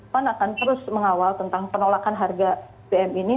pan akan terus mengawal tentang penolakan harga bbm ini